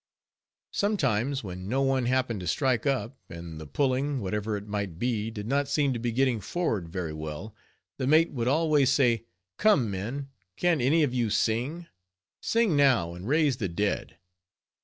Sometimes, when no one happened to strike up, and the pulling, whatever it might be, did not seem to be getting forward very well, the mate would always say, _"Come, men, can't any of you sing? Sing now, and raise the dead."